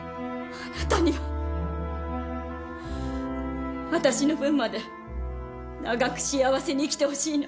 あなたには私の分まで長く幸せに生きてほしいの。